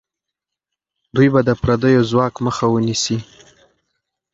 دوی به د پردیو ځواک مخه ونیسي.